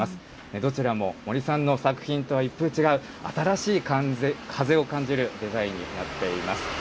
どちらも森さんの作品とは一風違う、新しい風を感じるデザインになっています。